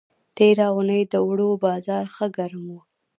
تېره اوونۍ د اوړو بازار ښه گرم و.